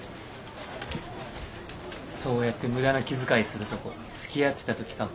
そうやって無駄な気遣いするとこつきあってた時から変わんないよね。